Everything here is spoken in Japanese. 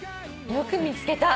よく見つけた。